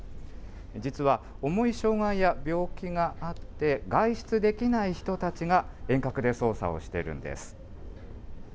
実は、重い障害や病気があって、外出できない人たちが遠隔で操作をしているんです。